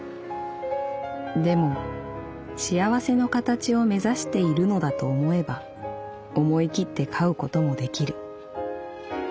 「でも『幸せ』の形を目指しているのだと思えば思い切って飼うこともできる。